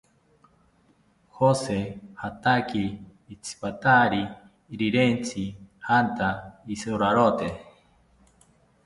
Jose jataki itsipatari rirentzi janta isorarote